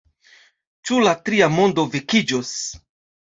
Ĉu la Tria Mondo vekiĝos?